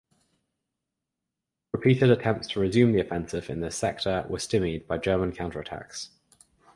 Repeated attempts to resume the offensive in this sector were stymied by German counterattacks.